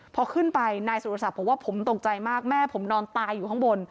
พอขึ้นไปนายสุรศักดิ์บอกว่าผมตกใจมากแม่ผมนอนตายอยู่ข้างบน